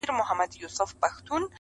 تر يوې خرما دوې اوڅکي ښې دي.